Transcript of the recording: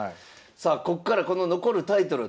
さあこっからこの残るタイトル